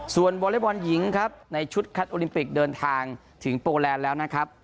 ส่วนวอเล็กบอลหญิงครับในชุดคัดโอลิมปิกเดินทางถึงโปรแลนด์แล้วนะครับ